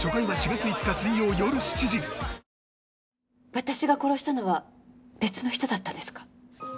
私が殺したのは別の人だったんですか？